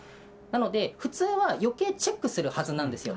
なので、普通はよけいチェックするはずなんですよ。